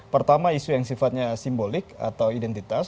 pertama isu yang sifatnya simbolik atau identitas